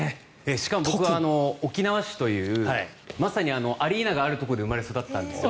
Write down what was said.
しかも僕は沖縄市というまさにアリーナがあるところで生まれ育ったんです。